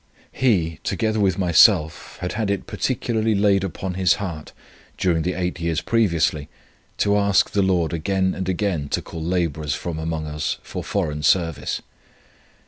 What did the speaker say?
He, together with myself, had had it particularly laid upon his heart, during the eight years previously, to ask the Lord again and again to call labourers from among us for foreign service.